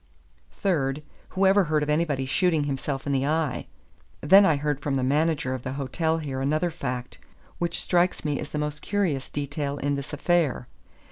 Third, who ever heard of anybody shooting himself in the eye? Then I heard from the manager of the hotel here another fact, which strikes me as the most curious detail in this affair.